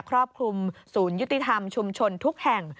ครอบคลุมศูนย์ยุติธรรมชุมชนทุกแห่ง